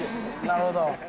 なるほど。